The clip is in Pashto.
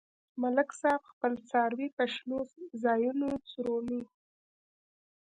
ملک صاحب خپل څاروي په شنو ځایونو څرومي.